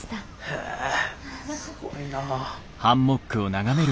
へえすごいなぁはあ。